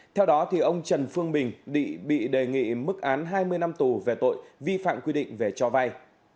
theo đó ông trần phương bình bị đề nghị mức án hai mươi năm tù về tội vi phạm quy định về cho vay